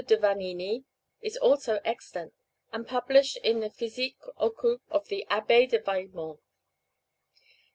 de Vanini, is also extant, and published in the Physique occulte of the Abbé de Vallemont.